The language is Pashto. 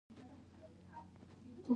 د پرون مخالف نن دوست کېدای شي.